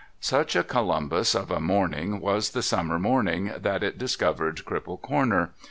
Such a Columbus of a morning was the summer morning, that it discovered Cripple Corner.